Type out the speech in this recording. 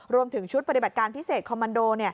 รวมถึงชุดปฏิบัติการพิเศษคอมมันโด